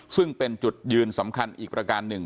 ซึ่งเป็นจุดยืนสำคัญอีกประการหนึ่ง